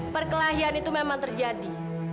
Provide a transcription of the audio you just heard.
perkelahian itu memang terjadi